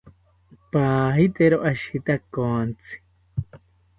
Pahitero ashitakontzi